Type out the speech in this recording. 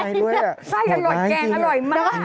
นะครับแกงพลังกายเลย